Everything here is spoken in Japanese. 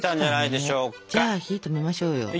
じゃあ火止めましょうよ。